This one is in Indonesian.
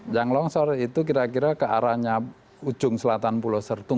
yang longsor itu kira kira ke arahnya ujung selatan pulau sertung